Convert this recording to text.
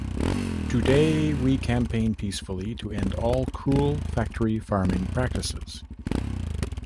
Today we campaign peacefully to end all cruel factory farming practices.